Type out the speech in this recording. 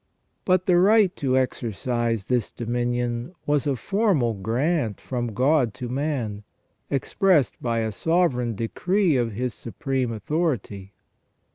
But the right to exercise this dominion was a formal grant from God to man, expressed by a sovereign decree of His supreme authority.